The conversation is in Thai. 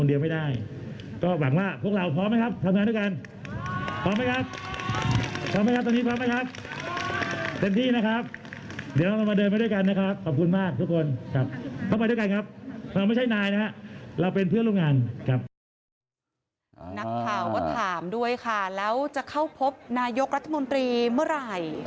นักข่าวก็ถามด้วยค่ะแล้วจะเข้าพบนายกรัฐมนตรีเมื่อไหร่